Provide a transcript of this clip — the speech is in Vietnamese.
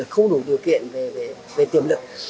không đủ điều kiện về tiềm lực